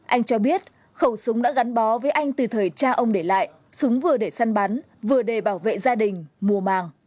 anh cho biết khẩu súng đã gắn bó với anh từ thời cha ông để lại súng vừa để săn bắn vừa để bảo vệ gia đình mùa màng